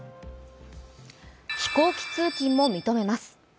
飛行機通勤も認めます。